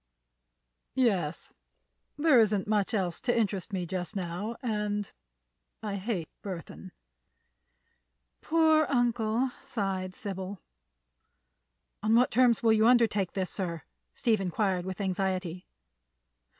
"Yes; there isn't much else to interest me just now, and—I hate Burthon." "Poor uncle!" sighed Sybil. "On what terms will you undertake this, sir?" Steve inquired, with anxiety.